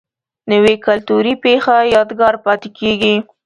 نوې کلتوري پیښه یادګار پاتې کېږي